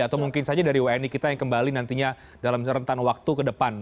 atau mungkin saja dari wni kita yang kembali nantinya dalam rentan waktu ke depan